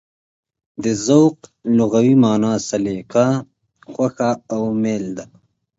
د ذوق لغوي مانا: سلیقه، خوښه او مېل ده.